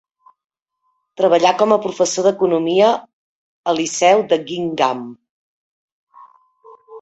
Treballà com a professor d'economia a liceu de Guingamp.